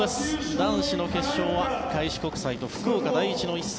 男子の決勝は開志国際と福岡第一の一戦。